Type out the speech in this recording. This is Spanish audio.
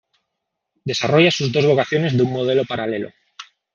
Desarrolla sus dos vocaciones de un modo paralelo.